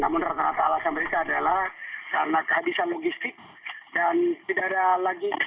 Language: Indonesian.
namun disampaikan identitas inisialnya saja adalah dg